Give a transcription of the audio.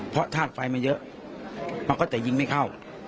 เพราะทาสไฟมันเยอะมันก็แต่ยิงไม่เข้า